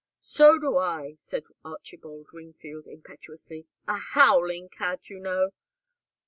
"So do I," said Archibald Wingfield, impetuously. "A howling cad, you know."